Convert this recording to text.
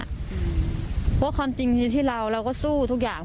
เพราะว่าความจริงที่เราเราก็สู้ทุกอย่าง